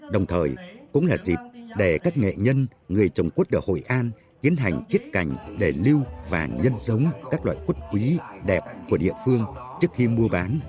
đồng thời cũng là dịp để các nghệ nhân người trồng quất ở hội an tiến hành chiếc cảnh để lưu và nhân giống các loại quất quý đẹp của địa phương trước khi mua bán